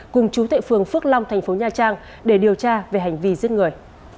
cùng chú tệ phường phước long tp nha trang để điều tra về hành vi giết người